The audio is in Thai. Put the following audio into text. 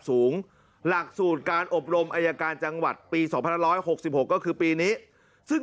หลักสูตรการอบรมอายการจังหวัดปี๒๑๖๖ก็คือปีนี้ซึ่ง